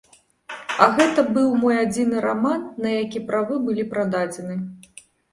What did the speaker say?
А гэта быў мой адзіны раман, на які правы былі прададзены.